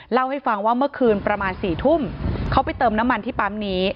เล่าให้ฟังว่าเมื่อคืนประมาณ๔ทุ่มเขาไปเติมน้ำมันที่ปั๊มนี้